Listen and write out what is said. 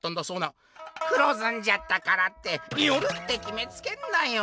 「黒ずんじゃったからって『夜』ってきめつけんなよ！」。